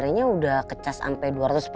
rulan ya ingat kita satu keluarga besar